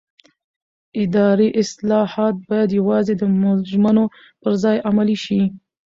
اداري اصلاحات باید یوازې د ژمنو پر ځای عملي شي